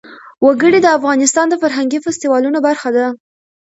وګړي د افغانستان د فرهنګي فستیوالونو برخه ده.